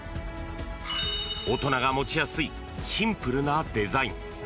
大人が持ちやすいシンプルなデザイン。